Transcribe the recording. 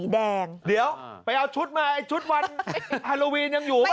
เดี๋ยวไปเอาชุดมาชุดวันฮัลโลวีนยังอยู่ป่ะ